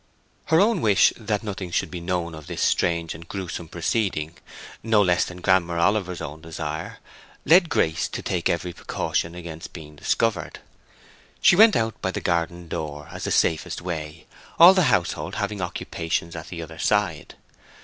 Her own wish that nothing should be known of this strange and grewsome proceeding, no less than Grammer Oliver's own desire, led Grace to take every precaution against being discovered. She went out by the garden door as the safest way, all the household having occupations at the other side.